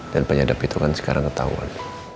dan penyadap itu kan sekarang ketahuan